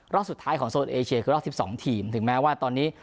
รอบสุดท้ายของโซนเอเชียคือรอบ๑๒ทีมถึงแม้ว่าตอนนี้